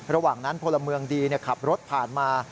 ระหว่างนั้นพลเมืองดีขับรถผ่านมา